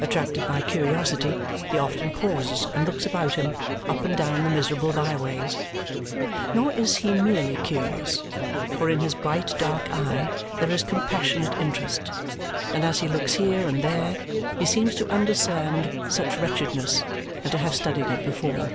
Attracted by curiosity, he often pauses and looks about him, up and down the miserable by ways. Nor is he merely curious, for in his bright dark eye there is compassionate interest; and as he looks here and there, he seems to understand such wretchedness and to have studied it before.